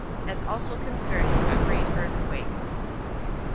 As Also Concerning A Great Earthquake.